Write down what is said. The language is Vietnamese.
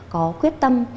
có quyết tâm